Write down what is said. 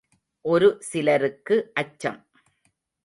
ஒரு சிலருக்கு அச்சம்.